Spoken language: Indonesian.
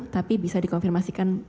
tapi bisa dikonfirmasikan